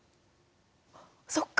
そっか！